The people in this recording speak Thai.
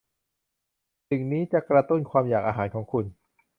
สิ่งนี้จะกระตุ้นความอยากอาหารของคุณ